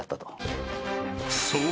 ［そう。